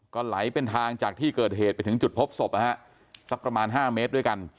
ก็ไหลเป็นทางจากที่เกิดเหตุไปถึงจุดพบศพนะฮะสักประมาณ๕เมตรด้วยกัน